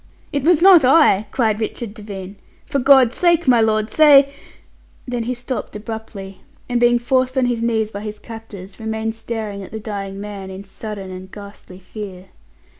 "It was not I!" cried Richard Devine. "For God's sake, my lord say " then he stopped abruptly, and being forced on his knees by his captors, remained staring at the dying man, in sudden and ghastly fear.